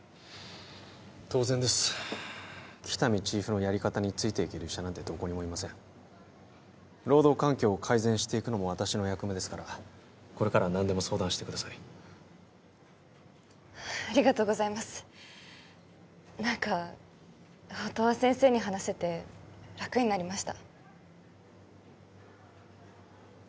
当然です喜多見チーフのやり方についていける医者なんてどこにもいません労働環境を改善していくのも私の役目ですからこれからは何でも相談してくださいありがとうございます何か音羽先生に話せて楽になりました